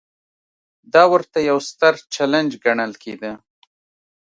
دا ورته یو ستر چلنج ګڼل کېده.